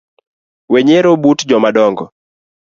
Wenyiero but jomadongo